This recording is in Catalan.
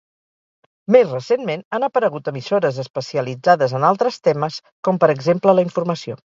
Més recentment han aparegut emissores especialitzades en altres temes, com per exemple la informació.